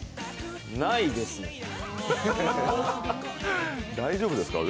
ないですね。